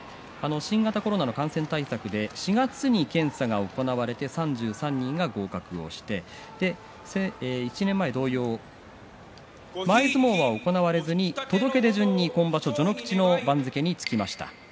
新型コロナの感染対策で４月に検査が行われて３３人が合格して１年前同様、前相撲は行われずに届け出順に今場所、序ノ口の番付につきました。